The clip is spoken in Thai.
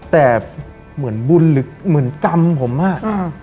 แต่เหมือนบุญหรือเหมือนกรรมผมมาก